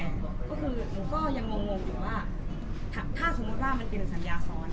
ก็คือหนูก็ยังงงอยู่ว่าถ้าสมมุติว่ามันเป็นสัญญาซ้อน